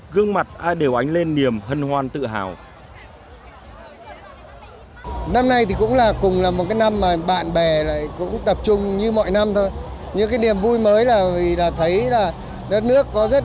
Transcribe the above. gương mặt ai đều ánh lên niềm hân hoan tự hào